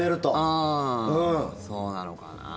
そうなのかな。